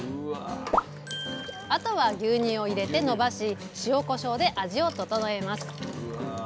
あとは牛乳を入れてのばし塩こしょうで味を調えます。